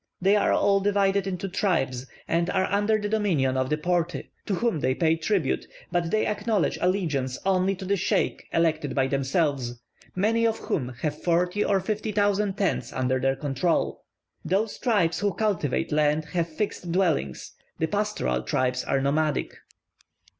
They are all divided into tribes, and are under the dominion of the Porte, to whom they pay tribute; but they acknowledge allegiance only to the sheikh elected by themselves, many of whom have forty or fifty thousand tents under their control. Those tribes who cultivate land have fixed dwellings; the pastoral tribes are nomadic.